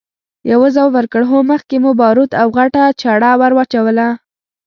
يوه ځواب ورکړ! هو، مخکې مو باروت او غټه چره ور واچوله!